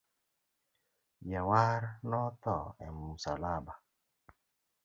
Jawar no tho e musalaba